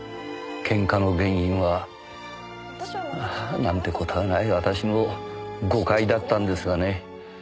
ケンカの原因はなんて事はない私の誤解だったんですがね。